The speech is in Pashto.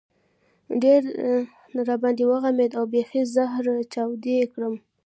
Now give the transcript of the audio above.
ډېر را باندې وغمېد او بېخي زهره چاودی کړم.